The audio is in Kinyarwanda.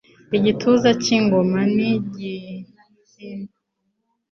Igituza cy'ingoma n' Igihimba